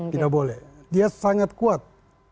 tidak boleh dia sangat kuat